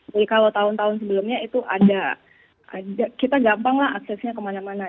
jadi kalau tahun tahun sebelumnya itu ada kita gampanglah aksesnya kemana mana